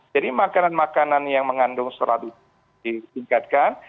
jadi makanan makanan yang mengandung selalu ditingkatkan